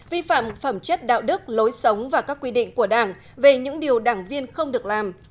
vi phạm phẩm chất đạo đức lối sống và các quy định của đảng về những điều đảng viên không được làm